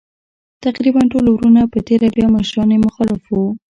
تقریباً ټول وروڼه په تېره بیا مشران یې مخالف وو.